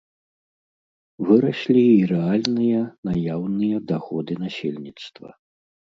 Выраслі і рэальныя наяўныя даходы насельніцтва.